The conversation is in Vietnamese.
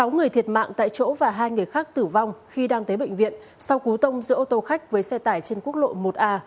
sáu người thiệt mạng tại chỗ và hai người khác tử vong khi đang tới bệnh viện sau cú tông giữa ô tô khách với xe tải trên quốc lộ một a